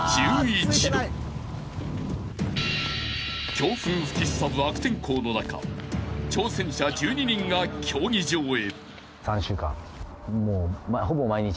［強風吹きすさぶ悪天候の中挑戦者１２人が競技場へ］